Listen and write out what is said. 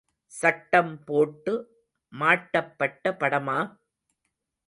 சட்டம்போட்டு மாட்டப்பட்ட படமா?